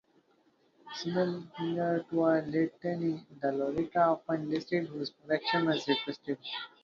Similar to a litany, the lorica often listed whose protection was requested.